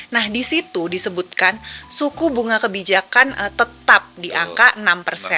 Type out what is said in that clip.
nah di situ disebutkan suku bunga kebijakan tetap di angka enam